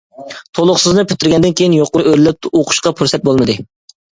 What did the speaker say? تولۇقسىزنى پۈتتۈرگەندىن كىيىن يۇقىرى ئۆرلەپ ئوقۇشقا پۇرسەت بولمىدى.